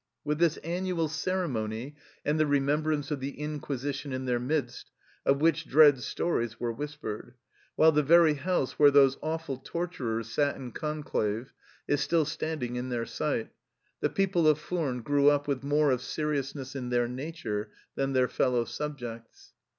With this annual ceremony and the remembrance of the Inquisition in their midst, of which dread stories were whispered, while the very house where those awful torturers sat in conclave is still standing in their sight, the people of Furnes grew up with more of seriousness in their nature than their fellow subjects.